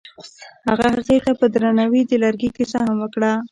هغه هغې ته په درناوي د لرګی کیسه هم وکړه.